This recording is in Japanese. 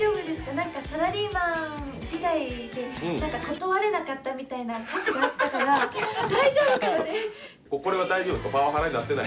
なんかサラリーマン時代でなんか断れなかったみたいな話があったから大丈夫かな。